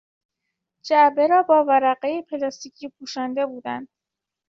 جعبه را با ورقهی پلاستیکی پوشانده بودند.